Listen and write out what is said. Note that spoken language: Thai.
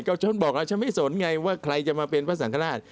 ชนบอกแล้วฉันไม่สนไงว่าใครจะมาเป็นพระสังฆราช